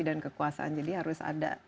dan kekuasaan jadi harus ada